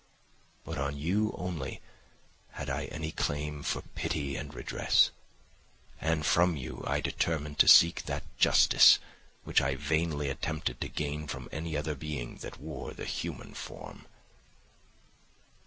But on you only had I any claim for pity and redress, and from you I determined to seek that justice which I vainly attempted to gain from any other being that wore the human form.